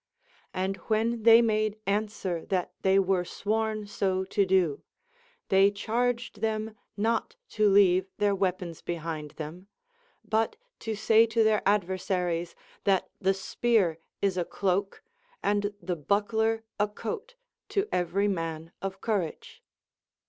And when they made answer that they were sworn so to do, they charged them not to leave their weapons behind them, but to say to their adversaries, that the spear is a cloak and the buckler a coat to every man of courage.